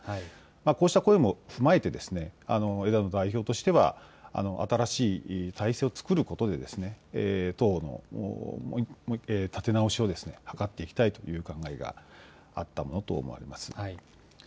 こうした声も踏まえて枝野代表としては新しい体制を作ることで党の立て直しを図っていきたいという考えがあったものと思われます。